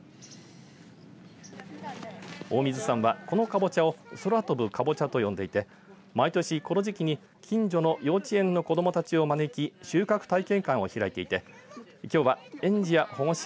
大水さんはこのカボチャを空飛ぶかぼちゃと呼んでいて毎年この時期に近所の幼稚園の子どもたちを招き収穫体験会を開いていてきょうは園児や保護者